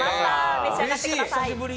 召し上がってください。